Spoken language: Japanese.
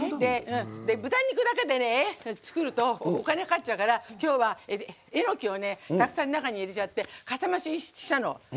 豚肉だけで作るとお金かかっちゃうから今日は、エノキをたくさん中に入れちゃってかさ増したの。